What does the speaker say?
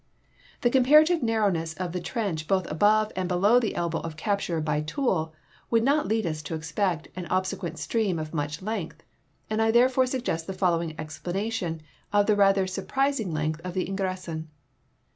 The comparative narrowness of the trench both above and below the elbow of capture b}' Toul would not lead us to expect an obsequent stream of much length, and I therefore suggest the following explanation of the rather surpris ing length of the Ingressin.